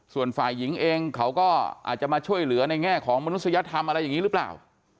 ส่วนฝ่ายหญิงเองเขาก็อาจจะมาช่วยเหลือในแง่ของมนุษยธรรมอะไรอย่างนี้หรือเปล่า